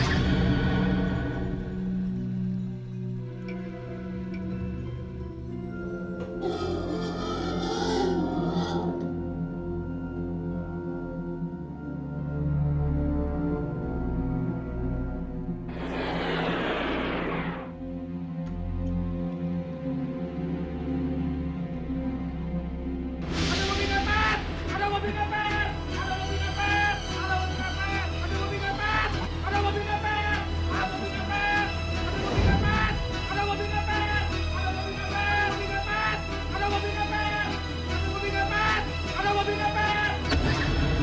ada mpinggir pet